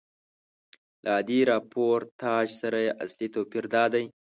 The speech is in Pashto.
له عادي راپورتاژ سره یې اصلي توپیر دادی.